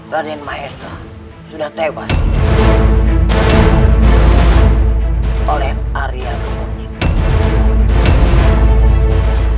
raden maesa sudah tewas oleh arya gembong